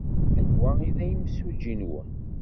Anwa ay d imsujji-nwen?